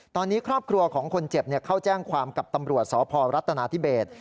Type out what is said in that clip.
ตอนนี้ครอบครัวของคนเจ็บเข้าแจ้งความกับตำรวจสพรัฐนาธิเบศ